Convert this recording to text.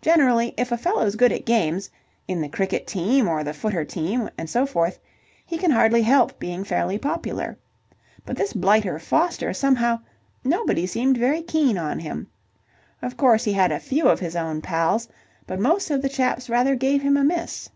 Generally, if a fellow's good at games in the cricket team or the footer team and so forth he can hardly help being fairly popular. But this blighter Foster somehow nobody seemed very keen on him. Of course, he had a few of his own pals, but most of the chaps rather gave him a miss.